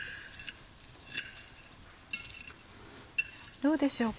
どうでしょうか